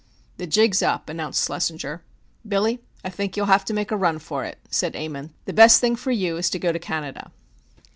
"The jig's up," announced Schlessinger. "Billy, I think you'll have to make a run for it," said Ammon. "The best thing for you is to go to Canada."